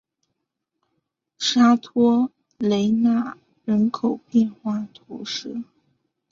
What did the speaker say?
沙托雷纳尔人口变化图示